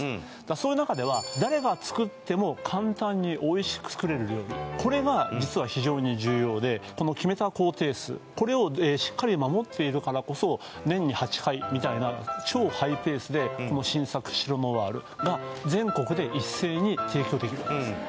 そういう中では誰が作っても簡単においしく作れる料理これが実は非常に重要でこの決めた工程数これをしっかり守っているからこそ年に８回みたいな超ハイペースでこの新作シロノワールが全国で一斉に提供できるわけです